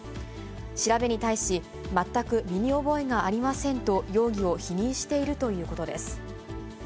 調べに対し、全く身に覚えがありませんと、容疑を否認しているということです。